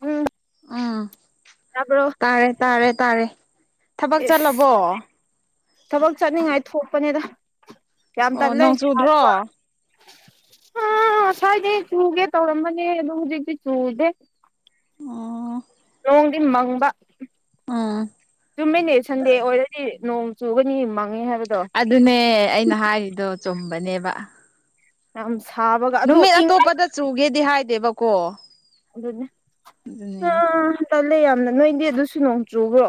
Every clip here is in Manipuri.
ꯎꯝ ꯎꯝ ꯇꯥꯕ꯭ꯔꯣ ꯇꯥꯔꯦ ꯇꯥꯔꯦ ꯇꯥꯔꯦ ꯊꯕꯛ ꯏꯁ ꯆꯠꯂꯕꯣ ꯊꯕꯛ ꯆꯠꯅꯤꯡꯉꯥꯏ ꯊꯣꯛꯄꯅꯤꯗ ꯌꯥꯝ ꯑꯣ ꯇꯜꯂ ꯅꯣꯡ ꯆꯨꯗ꯭ꯔꯣ ꯑ ꯁ꯭ꯋꯥꯏꯗꯩ ꯆꯨꯒꯦ ꯇꯧꯔꯝꯕꯅꯦ ꯑꯗꯨꯣ ꯍꯧꯖꯤꯛꯇꯤ ꯆꯨꯗꯦ ꯑꯣ ꯅꯣꯡꯗꯤ ꯃꯪꯕ ꯎꯝ ꯆꯨꯝꯃꯤꯅꯦ ꯁꯟꯗꯦ ꯑꯣꯏꯔꯗꯤ ꯅꯣꯡ ꯆꯨꯒꯅꯤꯪ ꯑꯗꯨꯅꯦ ꯑꯩꯅ ꯍꯥꯏꯔꯤꯗꯣ ꯆꯨꯝꯕꯅꯦꯕ ꯑ ꯅꯨꯃꯤꯠ ꯑꯇꯣꯞꯄꯗ ꯆꯨꯒꯦꯗꯤ ꯍꯥꯏꯗꯦꯕꯀꯣ ꯑꯗꯨꯅꯦ ꯑꯗꯨꯅꯦ ꯑꯥ ꯇꯜꯂꯦ ꯌꯥꯝꯅ ꯅꯣꯏꯗꯤ ꯑꯗꯨꯁꯨ ꯅꯣꯡꯇ꯭ꯔꯨꯕ꯭ꯔꯣ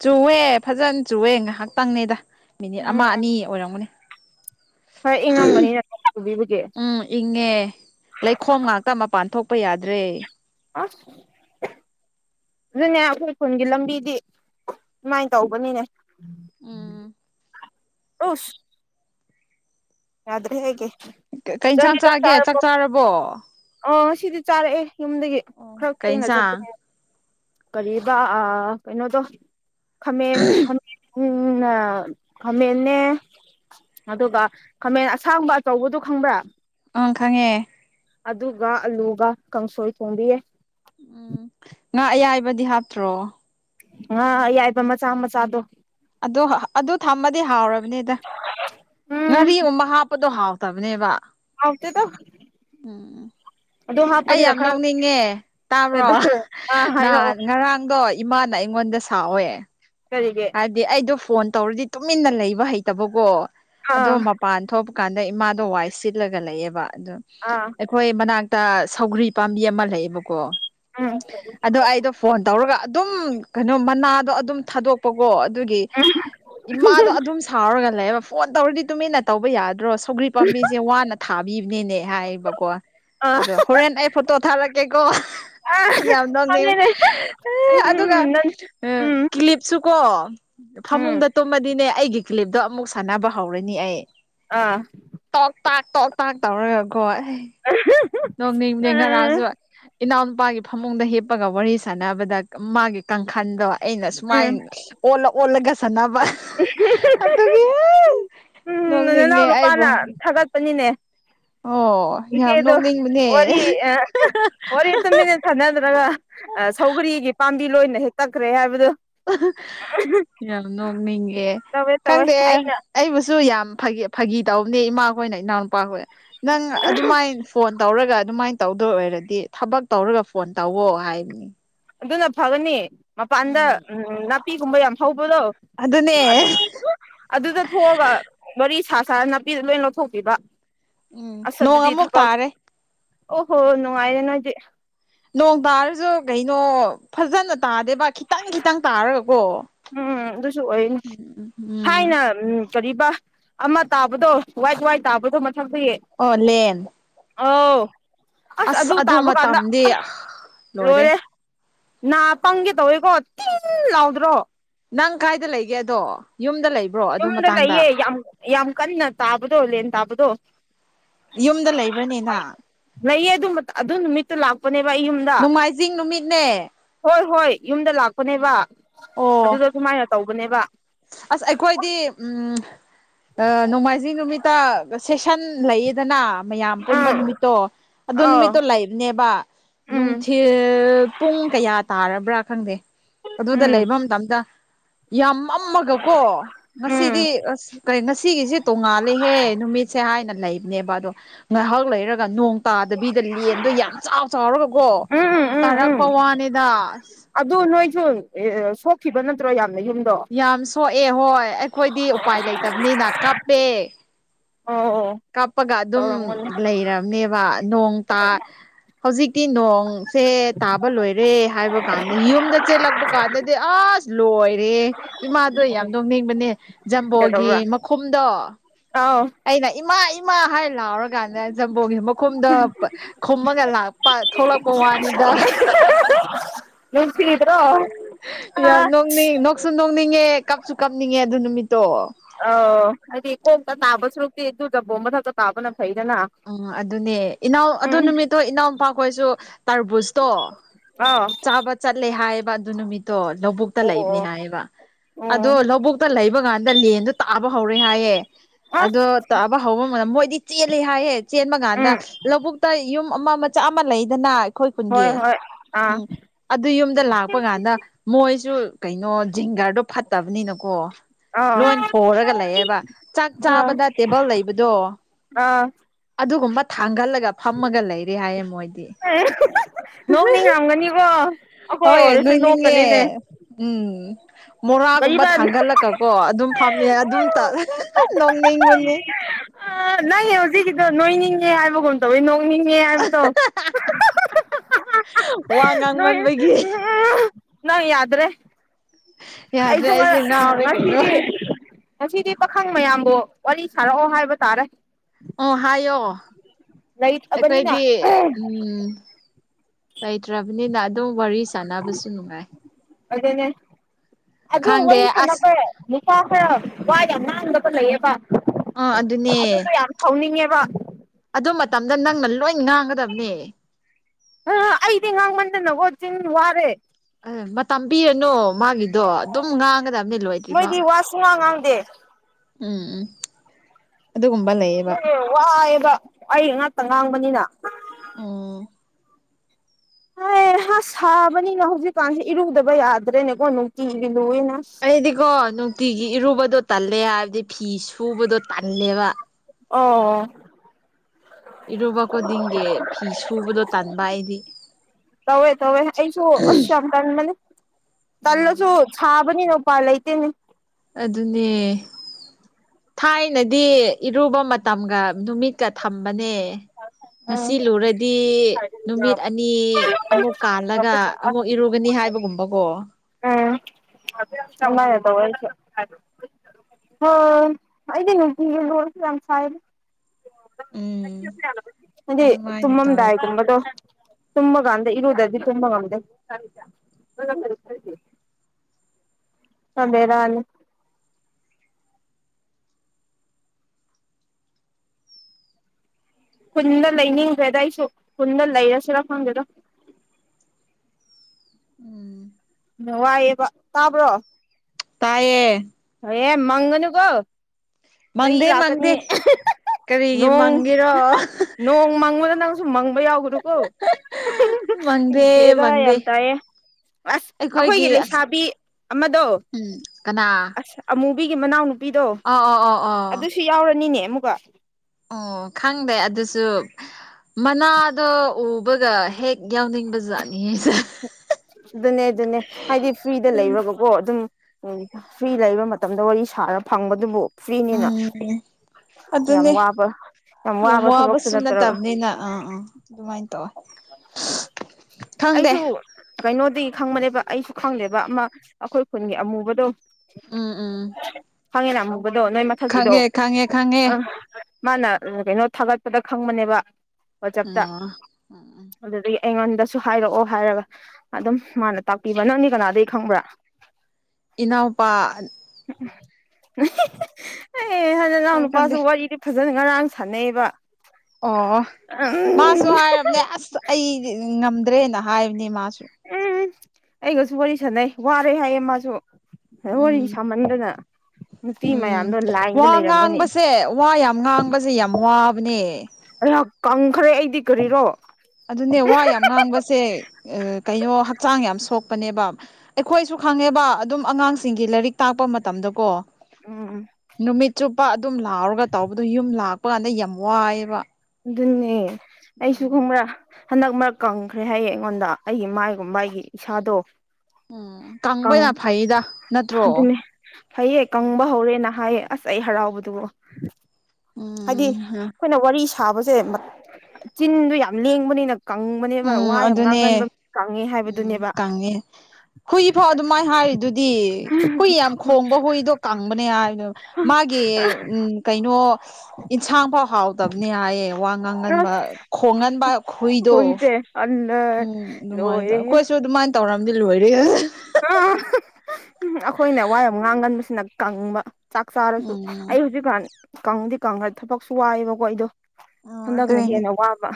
ꯆꯨꯋꯦ ꯐꯖꯅ ꯆꯨꯑꯦ ꯉꯥꯏꯍꯥꯛꯇꯪꯅꯦꯗ ꯃꯤꯅꯤꯠ ꯎꯝ ꯑꯃ ꯑꯅꯤ ꯑꯣꯏꯔꯝꯒꯅꯦ ꯈꯔ ꯏꯪꯉꯝꯒꯅꯤꯅ ꯆꯨꯕꯤꯕꯒꯤ ꯎꯝ ꯏꯪꯉꯦ ꯂꯩꯈꯣꯝ ꯉꯥꯛꯇ ꯃꯄꯥꯟ ꯊꯣꯛ ꯇꯞꯄ ꯌꯥꯗ꯭ꯔꯦ ꯑ ꯑꯗꯨꯅꯦ ꯑꯩꯈꯣꯏ ꯈꯨꯟꯒꯤ ꯂꯝꯕꯤꯗꯤ ꯁꯨꯃꯥꯏꯅ ꯇꯧꯕꯅꯤꯅꯦ ꯎꯝ ꯑꯣꯁ ꯌꯥ꯭ꯔꯦ ꯍꯦꯦ ꯀꯩ ꯏꯟꯁꯥꯡ ꯆꯥꯒꯦ ꯆꯥꯛ ꯆꯥꯔꯕꯣ ꯁꯤꯗꯤ ꯆꯥꯔꯛꯑꯦ ꯌꯨꯝꯗꯒꯤ ꯑꯣ ꯈꯔ ꯀꯩ ꯊꯦꯡꯅ ꯏꯟꯁꯥꯡ ꯆꯠꯄꯅꯦ ꯀ ꯀꯩꯅꯣꯗꯣ ꯈꯥꯃꯦꯟ ꯎꯝ ꯈꯃꯅꯦꯦ ꯑꯗꯨꯒ ꯈꯥꯃꯦꯟ ꯑꯁꯥꯡꯕ ꯑꯆꯧꯕꯗꯨꯣ ꯈꯪꯕ꯭ꯔꯥ ꯑꯪ ꯈꯪꯉꯦ ꯑꯗꯨꯒ ꯑꯂꯨꯒ ꯀꯥꯡꯁꯣꯏ ꯊꯣꯡꯕꯤꯌꯦ ꯎꯝ ꯉꯥ ꯑꯌꯥꯏꯕꯗꯤ ꯍꯥꯞꯇ꯭ꯔꯣ ꯑ ꯌꯥꯏꯕ ꯃꯆꯥ ꯃꯆꯥꯗꯣ ꯑꯗꯨ ꯑꯗꯨ ꯊꯝꯕꯗꯤ ꯍꯥꯎꯔꯕꯅꯤꯗ ꯉꯥꯔꯤꯒꯨꯝꯕ ꯍꯥꯞꯄꯗꯣ ꯍꯥꯎꯇꯕꯅꯦꯕ ꯍꯥꯎ ꯆꯗꯣ ꯎꯝ ꯎ ꯑꯩ ꯌꯥꯝ ꯈꯔ ꯅꯣꯛꯅꯤꯡꯉꯦ ꯇꯥꯕ꯭ꯔꯣ ꯑꯥ ꯍꯥꯏꯔꯛꯑꯣ ꯅꯍꯥꯟ ꯉꯔꯥꯡꯗꯣ ꯏꯃꯥꯅ ꯑꯩꯉꯣꯟꯗ ꯁꯥꯎꯋꯦ ꯀꯔꯤꯒꯤ ꯍꯥꯏꯗꯤ ꯑꯩꯗꯣ ꯐꯣꯟ ꯇꯧꯔꯗꯤ ꯇꯨꯃꯤꯟꯅ ꯂꯩꯕ ꯍꯩꯇꯕꯀꯣ ꯑꯗꯣ ꯑꯥ ꯃꯄꯥꯟ ꯊꯣꯛ ꯀꯥꯟꯗ ꯏꯃꯥꯗꯣ ꯋꯥꯏ ꯁꯤꯠꯂꯒ ꯂꯩꯑꯦꯕ ꯑꯗꯨ ꯑꯥ ꯑꯩꯈꯣꯏ ꯃꯅꯥꯛ ꯇ ꯁꯧꯒ꯭ꯔꯤ ꯄꯥꯝꯕꯤ ꯑꯃ ꯂꯩꯌꯦꯕꯀꯣ ꯎꯝ ꯑꯗꯣ ꯑꯩꯗꯣ ꯐꯣꯟ ꯇꯧꯔꯒ ꯑꯗꯨꯝ ꯀꯩꯅꯣ ꯃꯅꯥꯗꯣ ꯑꯗꯨꯝ ꯊꯥꯗꯣꯛꯄꯀꯣ ꯑꯗꯨꯒꯤ ꯏꯃꯥꯗꯣ ꯑꯗꯨꯝ ꯁꯥꯥꯎꯔꯒ ꯍꯜꯂꯑꯦꯕ ꯐꯣꯟ ꯇꯧꯔꯗꯤ ꯇꯨꯃꯤꯟꯅ ꯇꯧꯕ ꯌꯥꯗ꯭ꯔꯣ ꯁꯧꯒ꯭ꯔꯤ ꯄꯥꯝꯕꯤꯁꯦ ꯋꯥꯅ ꯊꯥꯕꯤꯕꯅꯤꯅꯦ ꯍꯥꯏꯕꯀꯣ ꯑꯥ ꯑꯗꯣ ꯍꯣꯔꯦꯟ ꯑꯩ ꯐꯣꯇꯣ ꯊꯥꯔꯛꯀꯦꯀꯣ ꯌꯥꯝ ꯅꯣꯡꯅꯩ ꯈꯪꯉꯦꯅꯦ ꯑꯗꯨꯒ ꯎꯝ ꯅꯪ ꯎꯝ ꯀꯞ ꯁꯨꯀꯣ ꯎꯝ ꯐꯃꯨꯡꯗ ꯇꯨꯝꯃꯗꯤꯅꯦ ꯑꯩꯒꯤ ꯀ꯭ꯂꯤꯞꯇꯣ ꯑꯃꯨꯛ ꯁꯥꯟꯅꯕ ꯍꯧꯔꯅꯤ ꯑꯩ ꯑꯥ ꯇꯣꯛ ꯇꯥꯛ ꯇꯣꯛ ꯇꯥꯛ ꯇꯧꯔꯒꯀꯣ ꯅꯣꯡꯅꯤꯡꯅꯦ ꯎꯝ ꯉꯔꯥꯡꯁꯨ ꯏꯅꯥꯎꯅꯨꯄꯥꯒꯤ ꯐꯃꯨꯡꯗ ꯍꯦꯞꯄꯒ ꯋꯥꯔꯤ ꯁꯥꯟꯅꯕꯗ ꯃꯥꯒꯤ ꯀꯥꯡꯈꯟꯗꯣ ꯑꯩꯅ ꯁꯨꯃꯥꯏ ꯎꯝ ꯑꯣꯜꯂ ꯑꯣꯜꯂꯒ ꯁꯥꯟꯅꯕ ꯑꯗꯨꯒꯤ ꯎꯝ ꯅꯣꯡꯅꯤꯡꯉꯦ ꯑꯩꯕꯨꯣ [unintelligible] ꯏꯗꯤ ꯑꯗꯨ ꯅꯣꯛꯅꯤꯡꯕꯅꯦ ꯍꯔꯤ ꯑ ꯍꯔꯤ ꯇꯅꯦ ꯆꯗ ꯑꯗꯨ꯭ꯔꯒ ꯁꯧꯒꯔꯤꯒꯤ ꯄꯥꯝꯕꯤ ꯂꯣꯏꯅ ꯍꯦꯛꯛꯇꯛꯈ꯭ꯔꯦ ꯍꯥꯏꯕꯗꯣ ꯌꯥ ꯅ ꯑꯣꯦ ꯇꯧꯋꯦ ꯇꯧꯋꯦ ꯈꯪꯗꯦ ꯑꯩꯅ ꯑꯩꯕꯨꯁꯨ ꯌꯥꯝ ꯐꯥꯒꯤ ꯇꯧꯕꯅꯦ ꯏꯃꯥꯈꯣꯏꯅ ꯏꯅꯥꯎꯅꯨꯄꯥꯈꯣꯏꯅ ꯅꯪ ꯑꯗꯨꯃꯥꯏꯅ ꯐꯣꯟ ꯇꯧꯔꯒ ꯑꯗꯨꯃꯥꯏꯅ ꯇꯧꯗ ꯑꯣꯏꯔꯗꯤ ꯊꯕꯛ ꯇꯧꯔꯒ ꯐꯣꯟ ꯇꯧꯋ ꯍꯥꯏꯕꯅꯤ ꯑꯗꯨꯅ ꯐꯒꯅꯤ ꯃꯄꯥꯟꯗ ꯎꯝ ꯅꯥꯄꯤꯒꯨꯝꯕ ꯌꯥꯝ ꯍꯧ ꯣ ꯑꯗꯨꯅꯦ ꯑꯗꯨꯗ ꯊꯣꯛꯑꯒ ꯃꯔꯤ ꯅꯥꯄꯤꯗ ꯂꯣꯏ ꯂꯧꯊꯣꯛꯄꯤꯕ ꯎꯝ ꯅꯣꯡ ꯑꯃꯨꯛ ꯇꯥꯔꯦ ꯑꯣ ꯍꯣꯅꯅꯨꯡꯥꯏꯗꯅꯖꯤꯦ ꯅꯣꯡ ꯇꯥꯔꯁꯨ ꯀꯩꯅꯣ ꯐꯖꯅ ꯇꯥꯗꯦꯕ ꯈꯤꯇꯪ ꯈꯤꯇꯪ ꯇꯥꯔꯒꯀꯣ ꯎꯝ ꯑꯗꯨꯁꯨ ꯑꯣꯏꯅꯤ ꯎꯝ ꯍꯥꯏꯅ ꯎꯝ ꯀꯕꯥ ꯑꯃ ꯇꯥꯕꯗꯣ ꯋꯥꯏꯠ ꯋꯥꯏ ꯇꯥꯕꯗꯣ ꯑꯣ ꯂꯦꯦꯟ ꯑꯥꯎ ꯑꯁ ꯑꯗꯨ ꯇꯥꯕ ꯀꯥꯟꯗ ꯃꯇꯝꯗꯤ ꯂꯣꯏꯔꯦ ꯅꯥ ꯄꯪꯒꯦ ꯇꯧꯋꯦꯀꯣ ꯇꯤꯟ ꯂꯥꯎꯗ꯭ꯔꯣ ꯅꯪ ꯀꯥꯏꯗ ꯂꯩꯒꯦ ꯑꯗꯣ ꯌꯨꯝ ꯌꯨꯝꯗ ꯂꯩꯌꯦ ꯌꯥꯝ ꯌꯥꯝ ꯀꯟꯅ ꯇꯥꯕꯗꯣ ꯂꯦꯟ ꯇꯥꯕꯗꯣ ꯌꯨꯝꯗ ꯂꯩꯕ꯭ꯔꯅꯤꯅ ꯂꯩꯌꯦ ꯑꯗꯨ ꯅꯨꯃꯤꯠꯇꯨ ꯂꯥꯛꯄꯅꯦꯕ ꯑꯩ ꯌꯨꯝꯗ ꯅꯣꯡꯃꯥꯏꯖꯤꯡ ꯅꯨꯃꯤꯠꯅꯦ ꯍꯣꯏ ꯍꯣꯏ ꯌꯨꯝꯗ ꯂꯥꯛꯄꯅꯦꯕ ꯑꯣ ꯑꯗꯨꯗ ꯁꯃꯥꯏꯅ ꯇꯧꯕꯅꯦꯕ ꯑꯁ ꯑꯩꯈꯣꯏꯗꯤ ꯎꯝ ꯅꯣꯡꯃꯥꯏꯖꯤꯡ ꯅꯨꯃꯤꯠꯇ ꯁꯦꯁꯟ ꯂꯩꯌꯦꯗꯅ ꯃꯌꯥꯝ ꯄꯨꯟꯕ ꯎꯝ ꯅꯨꯃꯤꯠꯇꯣ ꯑꯗꯨ ꯑꯥꯎ ꯅꯨꯃꯤꯠꯇꯣ ꯂꯩꯕꯅꯦꯕ ꯎꯝ ꯅꯨꯡꯊꯤꯜ ꯄꯨꯡ ꯀꯌꯥ ꯇꯥꯔꯕ꯭ꯔꯥ ꯈꯪꯗꯦ ꯑꯗꯨꯗ ꯎꯝ ꯂꯩꯕ ꯃꯇꯝꯗ ꯌꯥꯝ ꯃꯝꯃꯒꯀꯣ ꯎꯝ ꯉꯁꯤꯗꯤ ꯑꯁ ꯀꯔꯤ ꯉꯁꯤꯒꯤꯁꯦ ꯇꯣꯡꯉꯥꯂꯦꯍꯦ ꯅꯨꯃꯤꯠꯁꯦ ꯍꯥꯏꯅꯅꯦ ꯂꯩꯕꯅꯦꯕ ꯑꯗꯣ ꯉꯥꯏꯍꯥꯛ ꯂꯩꯔꯒ ꯅꯣꯡ ꯇꯥꯗꯕꯤꯗ ꯂꯦꯟꯗꯣ ꯌꯥꯝ ꯆꯥꯎ ꯆꯥꯎꯔꯒꯀꯣ ꯎꯝ ꯎꯝ ꯎꯝ ꯎꯝ ꯇꯥꯔꯛꯄ ꯋꯥꯅꯤꯗꯁ ꯑꯗꯨ ꯅꯣꯏꯁꯨ ꯁꯣꯛꯈꯤꯕ ꯅꯠꯇ꯭ꯔꯣ ꯌꯥꯝ ꯌꯥꯝ ꯁꯣꯛꯑꯦ ꯍꯣꯏ ꯑꯩꯈꯣꯏꯗꯤ ꯎꯄꯥꯏ ꯂꯩꯇꯕꯅꯤꯅ ꯀꯞꯄꯦ ꯑꯣ ꯑꯣ ꯀꯥꯞꯄꯒ ꯑꯗꯨꯝ ꯇꯧꯔꯝꯒꯅꯤ ꯂꯩꯔꯕꯝꯅꯦꯕ ꯅꯣꯡꯇꯥ ꯍꯧꯖꯤꯛꯇꯤ ꯅꯣꯡ ꯁꯦ ꯇꯥꯕ ꯂꯣꯏꯔꯦ ꯍꯥꯏꯕ ꯀꯥꯟꯗ ꯌꯨꯝꯗ ꯆꯦꯜꯂꯛꯄ ꯀꯥꯟꯗꯗꯤ ꯑꯁ ꯂꯣꯏꯔꯦ ꯦ ꯏꯃꯥꯗꯣ ꯌꯥꯝꯗꯧꯅꯤꯡꯕꯅꯦ ꯖꯝꯕꯣꯒꯤ ꯀꯩꯗꯧꯕ꯭ꯔꯥ ꯃꯈꯨꯝꯗꯣ ꯑꯥꯎ ꯑꯩꯅ ꯏꯃꯥ ꯏꯃꯥ ꯍꯥꯏ ꯂꯥꯎꯔꯀꯥꯟꯗ ꯖꯝꯕꯣꯒꯤ ꯃꯈꯨꯝꯗ ꯈꯨꯝꯃꯒ ꯂꯥꯛꯄ ꯊꯣꯛꯂꯛꯄ ꯋꯥꯅꯤꯗ [inaudible] ꯅꯨꯡꯁꯤꯗ꯭ꯔꯣ ꯌꯥꯝ ꯑꯥ ꯅꯣꯡꯅꯤꯡ ꯅꯣꯛꯁꯨ ꯅꯣꯡꯅꯤꯡꯉꯦ ꯀꯥꯞꯁꯨ ꯀꯥꯞꯅꯤꯡꯉꯦ ꯑꯗꯨ ꯅꯨꯃꯤꯠꯇ ꯑ ꯑꯗꯤ ꯀꯣꯝ ꯀ ꯇꯥꯕ ꯁꯔꯨ ꯑꯗꯨꯖ ꯣꯝꯝꯕ ꯊ ꯇꯥꯕ ꯅ ꯎꯝ ꯑꯗꯨꯅꯦ ꯏꯅꯥꯎ ꯑꯗꯨ ꯎꯝ ꯅꯨꯃꯤꯠꯇꯣ ꯏꯅꯥꯎ ꯅꯨꯄꯥꯈꯣꯏꯁꯨ ꯇꯔꯕꯨꯖꯇꯣ ꯑꯥꯎ ꯆꯥꯕ ꯆꯠꯂꯦ ꯍꯥꯏꯌꯦꯕ ꯑꯗꯨ ꯅꯨꯃꯤꯠꯇꯣ ꯂꯧꯕꯨꯛꯇ ꯑꯣ ꯂꯩꯕꯅꯦ ꯑꯣ ꯍꯥꯏꯌꯦꯕ ꯑꯗꯣ ꯎꯝ ꯂꯧꯕꯨꯛꯇ ꯂꯩꯕ ꯀꯥꯟꯗ ꯂꯦꯟꯗꯣ ꯇꯥꯕ ꯍꯧꯔꯦ ꯍꯥꯏꯌꯦ ꯑꯗꯣ ꯑꯁ ꯇꯥꯕ ꯍꯧꯕ ꯃꯇꯝꯗ ꯃꯣꯏꯗꯤ ꯆꯦꯂꯦ ꯍꯥꯏꯌꯦꯦ ꯆꯦꯟꯕ ꯀꯥꯟꯗ ꯎꯝ ꯂꯧꯕꯨꯛꯇ ꯌꯨꯝ ꯑꯃ ꯃꯆꯥ ꯑꯃ ꯂꯩꯗꯅ ꯑꯩꯈꯣꯏ ꯍꯣꯏ ꯀꯨꯟꯒꯤ ꯍꯣꯏ ꯑꯥ ꯎꯝ ꯑꯗꯨ ꯌꯨꯝꯗ ꯂꯥꯛꯄ ꯀꯥꯟꯗ ꯃꯣꯏꯁꯨ ꯀꯩꯅꯣ ꯖꯤꯡꯒꯔꯗꯣ ꯐꯠꯇꯕꯅꯤꯅꯀꯣ ꯂꯣꯏ ꯑꯥ ꯍꯣꯔꯒ ꯂꯩꯌꯦꯦꯕ ꯆꯥꯛ ꯑꯥ ꯆꯥꯕꯗ ꯇꯦꯕꯜ ꯂꯩꯕꯗꯣ ꯑꯥ ꯑꯗꯨꯒꯨꯝꯕ ꯊꯥꯡꯒꯜꯂꯒ ꯐꯝꯃꯒ ꯂꯩꯔꯦ ꯍꯥꯏꯌꯦꯦ ꯃꯣꯏꯗꯤ ꯅꯣꯛꯅꯤꯡꯉꯝꯒꯅꯤꯀꯣ ꯑꯩꯈꯣꯏ ꯍꯣꯏ ꯑꯣꯏꯔꯁꯨ ꯅꯣꯏꯅꯤꯡꯦ ꯅꯣꯛꯀꯅꯤꯅꯦ ꯎꯝ ꯃꯣꯔꯥꯒꯨꯝꯕ ꯀꯔꯤꯕ ꯑ ꯊꯥꯡꯒꯠꯂꯒꯀꯣ ꯑꯗꯨꯝ ꯐꯝꯃꯦ ꯑꯗꯨꯝ ꯅꯣꯡꯅꯤꯡꯕꯅꯤ ꯅꯪ ꯍꯧꯖꯤꯛꯀꯤꯗ ꯅꯣꯏꯅꯤꯡꯉꯦ ꯍꯥꯏꯕꯒꯨꯝ ꯇꯧꯋꯤ ꯃꯤ ꯍꯥꯏꯕꯗꯣ ꯋꯥ ꯉꯥꯡꯃꯟꯕꯒꯤ ꯅ ꯌꯥꯗ꯭ꯔꯦ ꯌꯥꯗ꯭ꯔꯦ ꯑꯩꯁꯨꯗꯤ ꯑꯩꯁꯦ ꯉꯥꯎꯔꯦ ꯀꯩꯅꯣ ꯉꯁꯤꯗꯤ ꯄꯥꯈꯪ ꯃꯌꯥꯝꯕꯨ ꯋꯥꯔꯤ ꯁꯥꯔꯛꯑꯣ ꯍꯥꯏꯕ ꯇꯥꯔꯦ ꯑꯣ ꯍꯥꯏꯌꯣ ꯂꯩꯇꯕꯅꯤꯅ ꯑꯩꯈꯣꯏꯗꯤ ꯎꯝ ꯂꯩꯇ꯭ꯔꯕꯅꯤꯅ ꯑꯗꯨꯝ ꯋꯥꯔꯤ ꯁꯥꯟꯅꯕꯁꯨ ꯅꯨꯡꯉꯥꯏ ꯑꯗꯨꯗꯅꯦ ꯑꯗꯨ ꯈꯪꯗꯦ ꯋꯥꯔꯤ ꯑꯁ ꯁꯥꯟꯅꯕ ꯅꯨꯄꯥ ꯈꯔ ꯋꯥꯏ ꯌꯥꯝ ꯃꯥꯡꯕꯒ ꯂꯩꯌꯦꯕ ꯑꯥ ꯑꯗꯨꯅꯦ ꯑꯗꯨꯒ ꯌꯥꯝ ꯁꯥꯎꯅꯤꯡꯉꯦꯕ ꯑꯗꯨ ꯃꯇꯝꯗ ꯅꯪꯅ ꯂꯣꯏ ꯉꯥꯡꯒꯗꯕꯅꯦ ꯍ ꯑꯩꯗꯤ ꯉꯥꯡꯃꯟꯗꯅ ꯍꯣ ꯆꯤꯟ ꯋꯥꯔꯦ ꯑꯃ ꯇꯝꯕꯤꯔꯅꯨ ꯃꯥꯒꯤꯗꯣ ꯑꯗꯨꯝ ꯉꯥꯡꯒꯗꯕꯅꯤ ꯂꯣꯏꯗ꯭ꯔꯤꯕ ꯃꯣꯏꯗꯤ ꯋꯥ ꯁꯨꯡꯉꯥꯡ ꯉꯥꯡꯗꯦ ꯎꯝ ꯎꯝ ꯑꯗꯨꯒꯨꯝꯕ ꯂꯩꯌꯦꯕ ꯑꯦ ꯋꯥꯏꯑꯦꯕ ꯑꯩ ꯉꯥꯛꯇ ꯉꯥꯡꯕꯅꯤꯅ ꯑ ꯍꯥꯏ ꯁꯥꯕꯅꯤꯅ ꯍꯧꯖꯤꯛꯀꯥꯟꯁꯦ ꯏꯔꯨꯗꯕ ꯌꯥꯗ꯭ꯔꯦꯅꯦꯀꯣ ꯅꯨꯡꯇꯤꯒꯤꯅꯤ ꯑꯗꯨꯗꯤꯀꯣ ꯅꯨꯡꯇꯤꯒꯤ ꯏꯔꯨꯕꯗꯣ ꯇꯜꯂꯦ ꯍꯥꯏꯕꯗꯤ ꯐꯤ ꯁꯨꯕꯗꯣ ꯇꯜꯂꯦꯕ ꯑꯣ ꯏꯔꯨꯕ ꯈꯨꯗꯤꯡꯒꯤ ꯐꯤ ꯁꯨꯕꯗꯣ ꯇꯥꯟꯕ ꯑꯩꯗꯤ ꯇꯋ ꯇꯧ ꯑꯩꯁꯨ ꯑ ꯌꯥꯝ ꯇ ꯃꯅꯦ ꯎꯝ ꯆꯜꯂꯁꯨ ꯁꯥꯕꯅꯤꯅ ꯎꯄꯥ ꯂꯩꯇꯦꯅꯦ ꯑꯗꯨꯅꯦ ꯊꯥꯏꯅꯗꯤ ꯏꯔꯨꯕ ꯃꯇꯝꯒ ꯅꯨꯃꯤꯠꯀ ꯊꯝꯕꯅꯦ ꯉꯁꯤ ꯎꯝ ꯂꯨꯔꯗꯤ ꯅꯨꯃꯤꯠ ꯑꯅꯤ ꯑꯃꯨꯛ ꯀꯥꯜꯂꯒ ꯑꯃꯨꯛ ꯏꯔꯨꯒꯅꯤ ꯍꯥꯏꯕ ꯀꯨꯝꯕ ꯀꯣ ꯎꯝꯃꯗ ꯍꯗꯤꯒ ꯌꯥꯝ ꯐꯥꯏꯗ ꯎꯝ ꯦ ꯑꯗꯨꯃꯥꯏꯅ ꯇꯨꯝꯃꯝꯗꯑ ꯇꯧꯋꯦꯕ ꯇꯗꯣ ꯇꯃꯒꯥꯟꯗ ꯏꯔꯗꯗꯤꯒꯗ ꯑꯗꯦꯗꯥꯅꯤ ꯈꯨꯟꯗ ꯂꯩꯅꯤꯡꯈ꯭ꯔꯦꯗ ꯑꯩꯁꯨ ꯈꯨꯟꯗ ꯂꯩꯔ ꯁꯤꯔ ꯐꯪꯒꯦꯗ ꯎꯝ ꯅꯨꯡ ꯋꯥꯏꯑꯦꯕ ꯇꯥꯕ꯭ꯔꯣ ꯇꯌꯦ ꯑꯦ ꯃꯪꯒꯅꯨ ꯀꯣ ꯀ ꯃꯪꯗꯦ ꯃꯪꯗꯦ ꯂꯥꯛꯀꯅꯤ ꯀꯔꯤꯒꯤ ꯅꯣꯡ ꯃꯪꯒꯦꯔꯣ ꯅꯣꯡ ꯃꯥꯡꯕꯗ ꯅꯪ ꯃꯪꯃꯩ ꯌꯥꯎꯒꯔꯒꯣ ꯃꯪꯗꯦ ꯗꯦꯔ ꯃꯪꯗꯦ ꯑꯦꯇꯥꯑꯌꯦ ꯑꯁ ꯑꯩꯈꯣꯏꯒꯤ ꯂꯩꯁꯥꯕꯤ ꯑꯃꯗꯣ ꯎꯝ ꯀꯅꯥ ꯑꯁ ꯑꯃꯨꯕꯤꯒꯤ ꯃꯅꯥꯎꯅꯨꯄꯤꯗꯣ ꯑꯣ ꯑꯣ ꯑꯣ ꯑꯣ ꯑꯗꯨꯁꯨ ꯌꯥꯎꯔꯅꯤꯅꯦ ꯑꯃꯨꯛꯀ ꯑꯣ ꯈꯪꯗꯦ ꯑꯗꯨꯁꯨ ꯃꯅꯥꯗꯣ ꯎꯕꯒ ꯍꯦꯛ ꯌꯥꯎꯅꯤꯡꯕ ꯖꯥꯠꯅꯤ ꯑꯩꯁꯦ ꯑꯗꯨꯅꯦ ꯑꯗꯨꯅꯦ ꯍꯥꯏꯗꯤ ꯐ꯭ꯔꯤꯗ ꯎꯝ ꯂꯩꯕꯒꯀꯣ ꯑꯗꯨꯝ ꯐ꯭ꯔꯤ ꯂꯩꯕ ꯃꯇꯝꯗ ꯋꯥꯔꯤ ꯁꯥꯔ ꯐꯪꯕꯗꯨꯕꯨ ꯐ꯭ꯔꯤꯅꯤꯅ ꯎꯝ ꯌꯥꯝ ꯑꯗꯨꯅꯦ ꯋꯥꯕ ꯌꯥꯝ ꯋꯥꯕ ꯊꯕꯛꯁꯨ ꯋꯥꯕꯁꯨ ꯅꯠꯇ꯭ꯔꯒ ꯅꯠꯇꯕꯅꯤꯅ ꯑꯥ ꯑꯥ ꯑꯗꯨꯃꯥꯏꯅ ꯇꯧꯋꯦ ꯈꯪꯗꯦ ꯑꯩꯁꯨ ꯀꯩꯅꯣꯗꯤ ꯈꯪꯕꯅꯦꯕ ꯑꯩꯁꯨ ꯈꯪꯗꯦꯕ ꯑꯃ ꯑꯩꯈꯣꯏ ꯈꯨꯟꯒꯤ ꯎꯝ ꯑꯃꯨꯕꯗꯣ ꯎꯝ ꯎꯝ ꯐꯪꯉꯦꯅ ꯑꯃꯨꯕ ꯗꯣ ꯅꯣꯏ ꯃꯊꯁꯤꯗꯣ ꯈꯪꯉꯦ ꯈꯪꯉꯦ ꯈꯪꯉꯦ ꯑ ꯃꯥꯅ ꯀꯩꯅꯣ ꯊꯥꯒꯠꯄꯗ ꯈꯪꯕꯅꯦꯕ ꯋꯥꯆꯞꯇ ꯑꯣ ꯎꯝ ꯑꯗꯨꯗꯒꯤ ꯑꯩꯉꯣꯟꯗꯁꯨ ꯍꯥꯏꯔꯛꯑꯣ ꯍꯥꯏꯔꯒ ꯑꯗꯨꯝ ꯃꯥꯅ ꯇꯥꯛꯄꯤꯕ ꯅꯪꯗꯤ ꯀꯅꯥꯗꯒꯤ ꯈꯪꯕ꯭ꯔꯥ ꯏꯅꯥꯎꯄꯥ ꯑꯦ ꯍꯟꯗ ꯏꯅꯥꯎ ꯍꯣꯏ ꯅꯨꯄꯥꯁꯨ ꯈꯪꯗꯦ ꯋꯥꯔꯤꯗꯤ ꯐꯖꯅ ꯉꯔꯥꯡ ꯁꯥꯟꯅꯩꯑꯕ ꯑꯣ ꯃꯥꯁꯨ ꯍꯥꯏꯔꯕꯅꯦ ꯑꯁ ꯑꯩꯗꯤ ꯉꯝꯗ꯭ꯔꯦꯅ ꯍꯥꯏꯕꯅꯦ ꯃꯥꯁꯨ [inaudible] ꯎꯝ ꯑꯩꯒꯁꯨ ꯋꯥꯔꯤ ꯁꯥꯟꯅꯩ ꯋꯥꯔꯦ ꯍꯥꯏꯌꯦ ꯃꯥꯁꯨ ꯋꯥꯔꯤ ꯎꯝ ꯁꯥꯃꯟꯗꯅ ꯅꯨꯄꯤ ꯎꯝ ꯃꯌꯥꯝꯗꯣ ꯂꯥꯏꯟꯗ ꯋꯥ ꯂꯩꯔꯝꯒꯅꯤ ꯉꯥꯡꯕꯁꯦ ꯋꯥ ꯌꯥꯝ ꯉꯥꯡꯕꯁꯦ ꯌꯥꯝ ꯋꯥꯕꯅꯦ ꯑꯩꯍꯥꯛ ꯀꯪꯈ꯭ꯔꯦ ꯑꯩꯗꯤ ꯀꯔꯤꯔꯣ ꯑꯗꯨꯅꯦ ꯋꯥ ꯌꯥꯝ ꯉꯥꯡꯕꯁꯦ ꯀꯩꯅꯣ ꯍꯛꯆꯥꯡ ꯌꯥꯝ ꯁꯣꯛ ꯥꯛꯄꯅꯦꯕ ꯑꯩꯈꯣꯏꯁꯨ ꯈꯪꯉꯦꯕ ꯑꯗꯨꯝ ꯑꯉꯥꯡꯁꯤꯡꯒꯤ ꯂꯥꯏꯔꯤꯛ ꯇꯥꯛꯄ ꯃꯇꯝꯗꯀꯣ ꯎꯝ ꯅꯨꯃꯤꯠ ꯆꯨꯞꯄ ꯑꯗꯨꯝ ꯂꯥꯎꯔꯒ ꯇꯧꯕꯗꯣ ꯌꯨꯝ ꯂꯥꯛꯄ ꯀꯥꯟꯗ ꯌꯥꯝ ꯋꯥꯏꯑꯦꯕ ꯑꯗꯨꯅꯦ ꯑꯩꯁꯨ ꯈꯨꯝꯕ꯭ꯔꯥ ꯍꯟꯗꯛ ꯃꯔꯛ ꯀꯪꯈ꯭ꯔꯦ ꯍꯥꯏꯌꯦ ꯑꯩꯉꯣꯟꯗ ꯑꯩꯒꯤ ꯃꯥꯏꯒꯨꯝꯕ ꯑꯩꯒꯤ ꯏꯁꯥꯗꯣ ꯎꯝ ꯀꯪ ꯀꯪꯕꯅ ꯐꯩꯗ ꯅꯠꯇ꯭ꯔꯣ ꯐꯩꯌꯦꯦ ꯀꯪꯕ ꯍꯧꯔꯦꯅ ꯍꯥꯏꯌꯦꯦ ꯑꯁ ꯑꯩ ꯍꯔꯥꯎꯕꯗꯨꯕꯨ ꯍꯥꯏꯗꯤ ꯎꯝ ꯑꯩꯈꯣꯏꯅ ꯋꯥꯔꯤ ꯁꯥꯕꯁꯦ ꯆꯤꯟꯗꯣ ꯌꯥꯝ ꯂꯦꯡꯕꯅꯤꯅ ꯀꯪꯕꯅꯦꯕ ꯎꯝ ꯋꯥ ꯌꯥꯝ ꯉꯥꯡꯍꯟꯕ ꯑꯗꯨꯅꯦ ꯀꯪꯉꯦ ꯎꯝ ꯍꯥꯏꯕꯗꯨꯅꯦꯕ ꯀꯪꯉꯦ ꯍꯨꯏꯐꯥꯎ ꯑꯗꯨꯃꯥꯏꯅ ꯍꯥꯏꯔꯤꯗꯨꯗꯤ ꯍꯨꯏ ꯌꯥꯝ ꯈꯣꯡꯕ ꯍꯨꯏꯗꯣ ꯀꯪꯕꯅꯦ ꯍꯥꯏꯗꯣ ꯃꯥꯒꯤ ꯎꯝ ꯀꯩꯅꯣ ꯏꯟꯁꯥꯡ ꯐꯥꯎ ꯍꯥꯎꯗꯕꯅꯦ ꯍꯥꯏꯌꯦꯦ ꯋꯥ ꯉꯥꯡꯒꯟꯕ ꯑꯁ ꯈꯣꯡꯒꯟꯕ ꯍꯨꯏꯗꯣ ꯍꯨꯏꯁꯦ ꯑꯜꯂ ꯎꯝ ꯑꯗꯨꯃꯥꯏꯅ ꯇꯧ ꯂꯣꯏꯔꯦꯍꯦ ꯑꯩꯈꯣꯏꯁꯨ ꯑꯗꯨꯃꯥꯏꯅ ꯇꯧꯔꯝꯗꯤ ꯂꯣꯏꯔ ꯎ ꯑꯩꯈꯣꯏꯅ ꯋꯥꯏꯔ ꯑꯃ ꯉꯥꯡꯒꯟꯕꯁꯤꯅ ꯀꯪꯕ ꯆꯥꯛ ꯆꯥꯔꯁꯨ ꯎꯝ ꯑꯩ ꯍꯧꯖꯤꯛꯀꯥꯟ ꯀꯪꯗꯤ ꯀꯪꯈ꯭ꯔꯦ ꯊꯕꯛꯁꯨ ꯋꯥꯏꯑꯦꯕꯀꯣ ꯑꯩꯗꯣ ꯎꯝ ꯍꯟꯗꯛꯅ ꯑꯗꯨꯏꯅꯤ ꯍꯦꯟꯅ ꯋꯥꯕ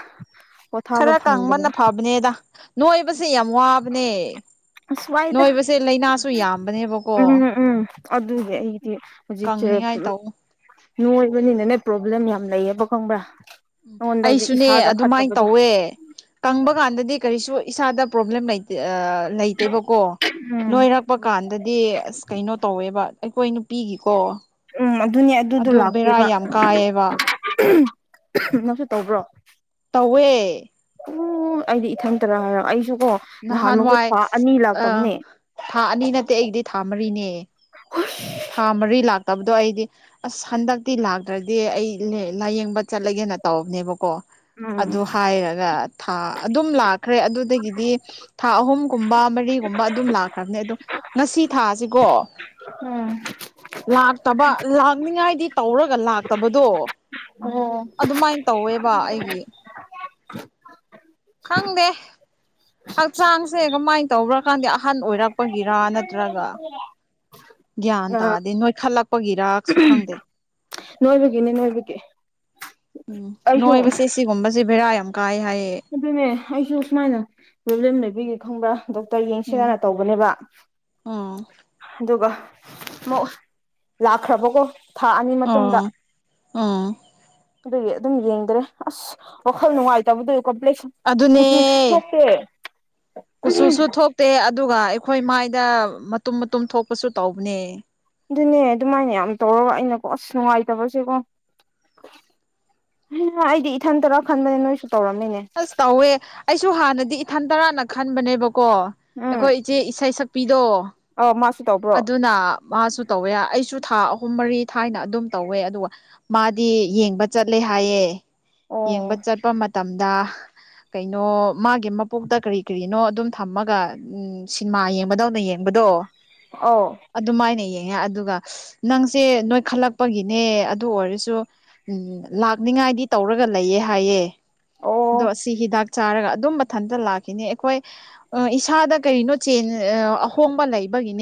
ꯄꯣꯊꯥꯕ ꯈꯔ ꯐꯪꯗꯕ ꯀꯥꯡꯪꯕꯅ ꯐꯕꯅꯦꯗ ꯅꯣꯏꯕꯁꯦ ꯌꯥꯝ ꯋꯥꯕꯅꯦ ꯑꯁ ꯋꯥꯏꯗ ꯅꯣꯏꯕꯁꯦ ꯂꯥꯏꯅꯥꯁꯨ ꯌꯥꯝꯕꯅꯦꯕꯀꯣ ꯎꯝ ꯎꯝ ꯑꯗꯨꯒꯤ ꯑꯩꯗꯤ ꯍꯧꯖꯤꯛꯁꯦ ꯉꯥꯏ ꯇꯑꯣ ꯅꯣꯏꯕꯅꯤꯅꯅꯦ ꯄ꯭ꯔꯣꯕ꯭ꯂꯦꯝ ꯌꯥꯝ ꯂꯩꯌꯦꯕ ꯈꯪꯕ꯭ꯔꯥ ꯎꯝ ꯑꯩꯉꯣꯟꯗ ꯍꯧꯖꯤꯛ ꯑꯩꯁꯨꯅꯦ ꯏꯁꯥꯗ ꯑꯗꯨꯃꯥꯏꯅ ꯐꯠꯇꯕꯗꯣ ꯇꯧꯋꯦ ꯀꯪꯕ ꯀꯥꯟꯗꯗꯤ ꯀꯔꯤꯁꯨ ꯏꯁꯥꯗ ꯄꯣꯕ꯭ꯂꯂꯦꯝꯝꯥꯏꯇꯦ ꯂꯩꯇꯦꯕꯀꯣ ꯎꯝ ꯅꯣꯏꯔꯛꯄ ꯀꯥꯟꯗꯗꯤ ꯑꯁ ꯀꯩꯅꯣ ꯇꯧꯋꯦꯕ ꯑꯩꯈꯣꯏ ꯅꯨꯄꯤꯒꯤꯀꯣ ꯎꯝ ꯑꯗꯨꯅꯦ ꯑꯗꯨꯗꯣ ꯑꯗꯨ ꯕꯦꯔꯥ ꯂꯥꯛꯇꯦꯕ ꯌꯥꯝ ꯀꯥꯏꯌꯦꯕ ꯉꯪꯁꯨ ꯇꯧꯕ꯭ꯔꯣ ꯇꯧꯋꯦ ꯎ ꯑꯩꯗꯤ ꯏꯊꯟꯇꯔ ꯍꯥꯏꯔꯣ ꯑꯩꯁꯨ ꯀꯣ ꯅꯍꯥꯟꯃꯨꯛꯇꯣ ꯅꯍꯥꯟꯋꯥꯏ ꯊꯥ ꯑꯅꯤ ꯑ ꯂꯥꯛꯇꯕꯅꯦ ꯊꯥ ꯑꯅꯤ ꯅꯠꯇꯦ ꯑꯩꯗꯤ ꯊꯥ ꯃꯔꯤꯅꯦ ꯊꯥꯃꯔꯤ ꯂꯒ ꯇꯕꯗꯣ ꯑꯩꯗꯤ ꯑꯁ ꯍꯟꯗꯛꯇꯤ ꯂꯥꯛꯇ꯭ꯔꯗꯤ ꯑꯩ ꯂꯥꯏꯌꯦꯡꯕ ꯆꯠꯂꯒꯦꯅ ꯇꯧꯕꯅꯦꯕꯀꯣ ꯎꯝ ꯑꯗꯨ ꯍꯥꯏꯔꯒ ꯊꯥ ꯑꯗꯨꯝ ꯂꯥꯛ ꯈ꯭ꯔꯦ ꯑꯗꯨꯗꯒꯤꯗꯤ ꯊꯥ ꯑꯍꯨꯝꯒꯨꯝꯕ ꯃꯔꯤꯒꯨꯝꯕ ꯑꯗꯨꯝ ꯂꯥꯛꯈ꯭ꯔꯕꯅꯦ ꯑꯗꯣ ꯉꯁꯤ ꯊꯥꯁꯤꯀꯣ ꯎꯝ ꯂꯥꯛꯇꯕ ꯂꯥꯛꯅꯤꯡꯉꯥꯏꯗꯤ ꯇꯧꯔꯒ ꯂꯥꯛꯇꯕꯗꯣ ꯑꯣ ꯑꯗꯨꯃꯥꯏꯅ ꯇꯧꯋꯦꯕ ꯑꯩꯒꯤ ꯈꯪꯗꯦ ꯍꯛꯆꯥꯡꯁꯦ ꯀꯃꯥꯏꯅ ꯇꯧꯕ꯭ꯔꯀꯥꯟꯗ ꯑꯍꯟ ꯑꯣꯏꯔꯛꯄꯒꯤꯔ ꯅꯠꯇ꯭ꯔꯒ ꯒ꯭ꯌꯥꯟ ꯑ ꯇꯥꯗꯦ ꯅꯣꯏꯈꯠꯂꯛꯄꯒꯤꯔꯁꯨ ꯈꯪꯗꯦ ꯅꯣꯏꯕꯒꯤꯅꯦ ꯅꯣꯏꯕꯒꯤ ꯑꯩꯁꯨ ꯚꯕꯔ ꯌꯥꯝꯝ ꯑꯗꯨꯅꯦ ꯑꯩꯁꯨ ꯀꯃꯥꯏꯅ ꯄ꯭ꯔꯣꯕ꯭ꯂꯦꯝ ꯂꯩꯕꯤꯒꯦ ꯈꯪꯕ꯭ꯔꯥ ꯗꯣꯛꯇꯔ ꯌꯦꯡꯁꯤꯔꯅ ꯎꯝ ꯇꯧꯕꯅꯦꯕ ꯎꯝ ꯑꯗꯨꯒ ꯃ ꯂꯥꯛꯈ꯭ꯔꯕꯀꯣ ꯊꯥ ꯑꯅꯤ ꯃꯇꯨꯡꯗ ꯎꯝ ꯎꯝ ꯑꯗꯨꯒꯤ ꯑꯗꯨꯝ ꯌꯦꯡꯗ꯭ꯔꯦ ꯑꯁ ꯋꯥꯈꯜ ꯅꯨꯡꯉꯥꯏꯇꯕꯗ ꯭ꯂ ꯀꯆꯨ ꯑꯗꯨꯅꯦ ꯊꯣꯛꯦ ꯀꯨꯆꯨꯁꯨ ꯊꯣꯛꯇꯦ ꯑꯗꯨꯒ ꯑꯩꯈꯣꯏ ꯃꯥꯏꯗ ꯃꯇꯨꯝ ꯃꯇꯨꯝ ꯊꯣꯛꯄꯁꯨ ꯇꯧꯕꯅꯦ ꯑꯗꯨꯅꯦ ꯑꯗꯨꯃꯥꯏꯅ ꯌꯥꯝ ꯇꯧꯔꯒ ꯑꯩꯅꯀꯣ ꯑꯁ ꯅꯨꯡꯉꯥꯏꯇꯕꯁꯦꯀꯣ ꯑꯩꯗꯤ ꯏꯊꯟ ꯇꯔꯣ ꯈꯟꯗꯅꯦ ꯅꯣꯏ ꯑꯁ ꯇꯧꯋꯦ ꯑꯩꯁꯨ ꯍꯥꯟꯅꯗꯤ ꯏꯊꯟ ꯇꯔꯥꯅ ꯈꯟꯕꯅꯦꯕꯀꯣ ꯀꯣ ꯑꯩꯈꯣꯏ ꯏꯆꯦ ꯏꯁꯩ ꯁꯛꯄꯤꯗꯣ ꯑ ꯃꯥꯁꯨ ꯇꯧꯕ꯭ꯔꯣ ꯑꯗꯨꯅ ꯃꯥꯁꯨ ꯇꯧꯋꯦ ꯑꯩꯁꯨ ꯊꯥ ꯑꯍꯨꯝ ꯃꯔꯤ ꯊꯥꯏꯅ ꯑꯗꯨꯝ ꯇꯧꯋꯦ ꯑꯗꯨꯒ ꯃꯥꯗꯤ ꯌꯦꯡꯕ ꯆꯠꯂꯦ ꯊꯌꯦ ꯑꯣ ꯌꯦꯡꯕ ꯆꯠꯄ ꯃꯇꯝꯗ ꯀꯩꯅꯣ ꯃꯥꯒꯤ ꯃꯄꯣꯛꯇ ꯀꯔꯤ ꯀꯔꯤꯅꯣ ꯑꯗꯨꯝ ꯊꯝꯃꯒ ꯎ ꯁꯤꯅꯦꯃꯥ ꯌꯦꯡꯕꯗꯧꯅ ꯌꯦꯡꯕꯗꯣ ꯑꯧ ꯑꯗꯨꯃꯥꯏꯅ ꯌꯦꯡ [unintelligible] ꯥꯏꯗꯤ ꯇꯧꯔꯒ ꯂꯩꯌꯦ ꯍꯥꯏꯌꯦ ꯑꯣ ꯣ ꯑꯁꯤꯍꯤꯗꯥꯛ ꯆꯥꯔꯒ ꯑꯗꯨꯝ ꯃꯊꯟꯇ ꯂꯥꯛꯈꯤꯅꯤ ꯑꯩꯈꯣꯏ ꯏꯁꯥꯗ ꯀꯔꯤꯅꯣ ꯆꯦꯟ ꯑꯍꯣꯡꯕ ꯂꯩꯕꯒꯤꯅꯦ